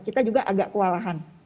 kita juga agak kewalahan